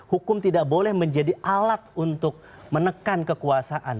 hukum tidak boleh menjadi alat untuk menekan kekuasaan